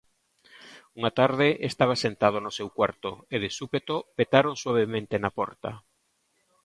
Unha tarde, estaba sentado no seu cuarto e, de súpeto, petaron suavemente na porta.